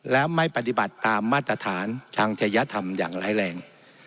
และไม่ปฏิบัติตามมาตรฐานทางจริยธรรมอย่างร้ายแรง